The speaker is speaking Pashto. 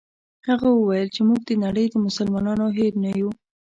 هغه وویل چې موږ د نړۍ د مسلمانانو هېر نه یو.